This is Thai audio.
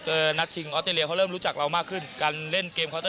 เอ่อนัทชิงออเตรเลียเขาเริ่มรู้จักเรามากขึ้นการเล่นเกม